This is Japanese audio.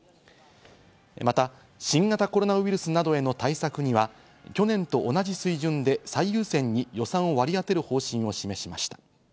また新型コロナウイルスなどへの対策には去年と同じ水準で最優先に予算を割り当てる方針を示しました。